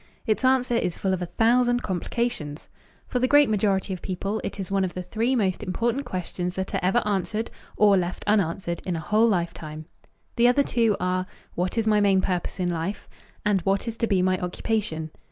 Its answer is full of a thousand complications. For the great majority of people it is one of the three most important questions that are ever answered or left unanswered in a whole lifetime. The other two are "What is my main purpose in life?" and "What is to be my occupation?"